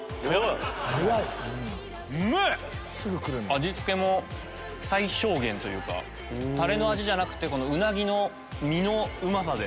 味付けも最小限というかタレの味じゃなくてウナギの身のうまさで。